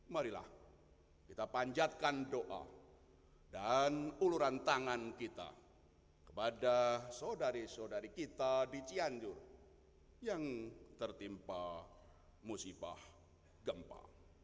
marilah kita panjatkan doa dan uluran tangan kita kepada saudari saudari kita di cianjur yang tertimpa musibah gempa